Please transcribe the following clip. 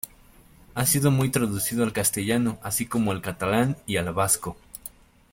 Ha sido muy traducido al castellano, así como al catalán y al vasco.